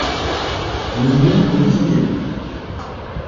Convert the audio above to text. Le Monde d'hier.